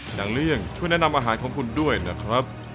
อย่างเลี่ยงช่วยแนะนำอาหารของคุณด้วยนะครับ